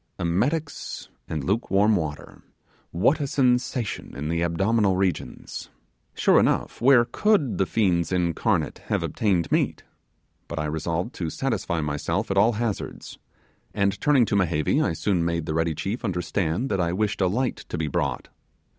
Emetics and lukewarm water! What a sensation in the abdominal region! Sure enough, where could the fiends incarnate have obtained meat? But I resolved to satisfy myself at all hazards; and turning to Mehevi, I soon made the ready chief understand that I wished a light to be brought.